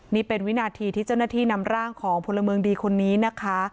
นี่เป็นวินาทีที่เจ้าหน้าที่นำร่างของพลเมืองดีคนนี้นะคะ